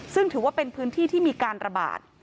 ซึ่งถือว่าเป็นพื้นที่ที่มีการระบาด